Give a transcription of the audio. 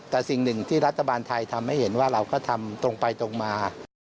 แต่สิ่งหนึ่งที่รัฐบาลไทยทำให้เห็นว่าเราก็ทำตรงไปตรงมา